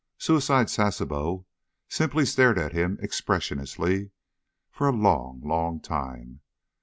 Suicide Sasebo simply stared at him expressionlessly for a long, long time.